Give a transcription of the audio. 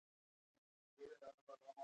مغول امپراطور د کمپنۍ ګدایي ګر شو.